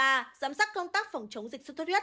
giám sát công tác phòng chống dịch sốt thu thuyết